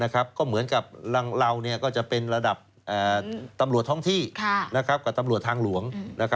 ก็เหมือนกับเราก็จะเป็นระดับตำรวจท้องที่กับตำรวจทางหลวง